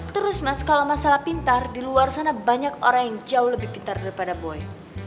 terus mas kalau masalah pintar di luar sana banyak orang yang jauh lebih pintar daripada boy